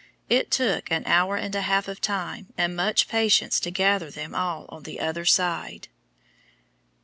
It took an hour and a half of time and much patience to gather them all on the other side.